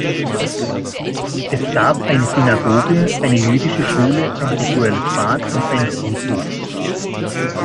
Es gab eine Synagoge, eine jüdische Schule, ein rituelles Bad und einen Friedhof.